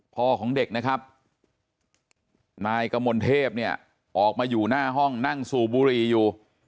ของเด็กนะครับนายกมลเทพเนี่ยออกมาอยู่หน้าห้องนั่งสูบบุหรี่อยู่